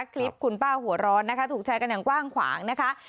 คลิปคุณป้าหัวร้อนนะคะถูกแชร์กันอย่างกว้างขวางนะคะ